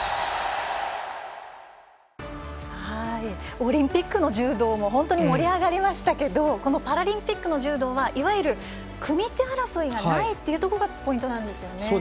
オリンピックの柔道も盛り上がりましたけどパラリンピックの柔道はいわゆる組み手争いがないというところがポイントなんですよね。